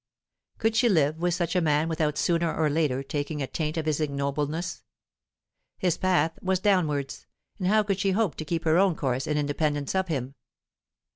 Could she live with such a man without sooner or later taking a taint of his ignobleness? His path was downwards, and how could she hope to keep her own course in independence of him?